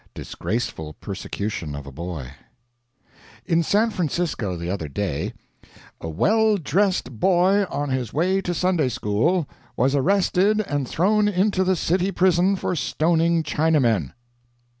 DISGRACEFUL PERSECUTION OF A BOY In San Francisco, the other day, "A well dressed boy, on his way to Sunday school, was arrested and thrown into the city prison for stoning Chinamen."